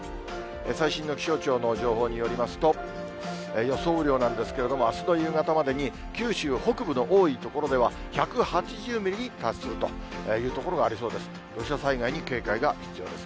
最新の気象庁の情報によりますと、予想雨量なんですけれども、あすの夕方までに、九州北部の多い所では、１８０ミリに達するという所がありそうです。